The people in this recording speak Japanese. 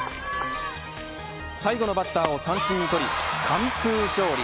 最後のバッターを三振に取り完封勝利。